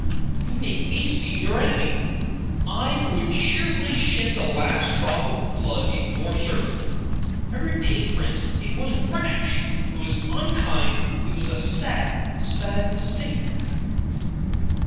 You make me seem your enemy; I, who would cheerfully shed the last drop of blood in your service. I repeat, Frances, it was rash; it was unkind; it was a sad, sad mistake."